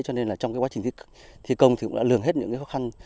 cho nên trong quá trình thi công cũng lường hết những khó khăn